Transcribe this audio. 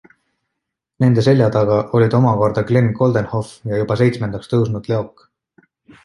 Nende seljataga olid oma korda Glen Coldenhoff ja juba seitsmendaks tõusnud Leok.